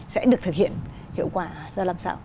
sẽ được thực hiện hiệu quả ra làm sao